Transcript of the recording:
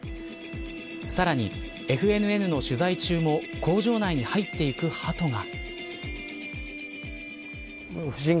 さらに、ＦＮＮの取材中も工場内に入っていくハトが。